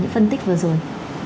phân tích vừa rồi